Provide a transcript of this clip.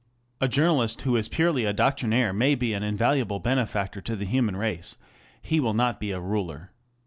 A journalist who is purely a doctrinaire may be an invaluable benefactor to the human race ŌĆö he will not be a ruler.